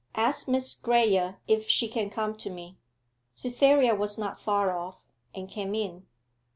'Ask Miss Graye if she can come to me.' Cytherea was not far off, and came in.